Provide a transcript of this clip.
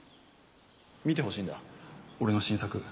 見てほしいんだ俺の新作。